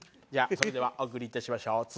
じゃあそれではお送りいたしましょう。